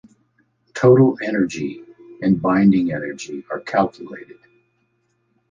Total energy and binding energy are calculated.